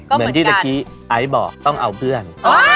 เหมือนที่เมื่อกี้ไอซ์บอกต้องเอาเพื่อน